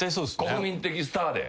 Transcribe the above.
国民的スターで。